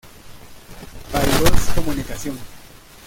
Paidós comunicación.